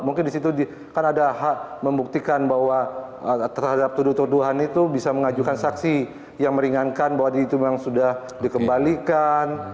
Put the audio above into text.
mungkin disitu kan ada hak membuktikan bahwa terhadap tuduh tuduhan itu bisa mengajukan saksi yang meringankan bahwa diri itu memang sudah dikembalikan